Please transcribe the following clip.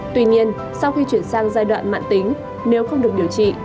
tuy nhiên sau khi chuyển sang giai đoạn mạng tính nếu không được điều trị